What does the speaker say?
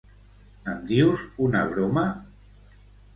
Em dius una broma?